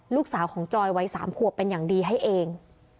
ลูกสาวของจอยวัย๓ขวบเป็นอย่างดีให้เอง